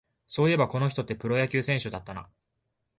そういえば、この人ってプロ野球選手だったな